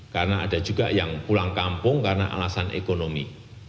karena ada juga yang pulang kampung karena alasan ekonomi